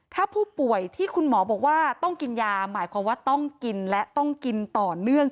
ถ้าผู้ป่วยที่คุณหมอบอกว่าต้องกินยาหมายความว่าต้องกินและต้องกินต่อเนื่อง